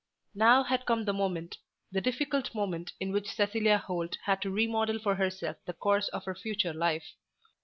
Now had come the moment, the difficult moment in which Cecilia Holt had to remodel for herself the course of her future life.